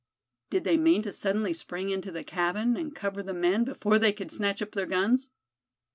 Did they mean to suddenly spring into the cabin, and cover the men before they could snatch up their guns?